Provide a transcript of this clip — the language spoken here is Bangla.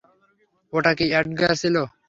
ওটা কি এডগার ছিল?